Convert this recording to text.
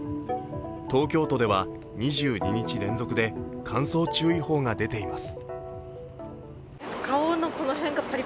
東京都では２２日連続で乾燥注意報が出ています。